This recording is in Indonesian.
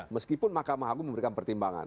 meskipun mahkamah agung memberikan pertimbangan